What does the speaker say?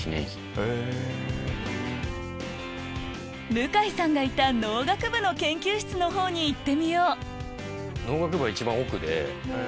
向井さんがいた農学部の研究室の方に行ってみよう農学部は一番奥で。